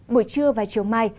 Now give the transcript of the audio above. buổi trưa và chiều mai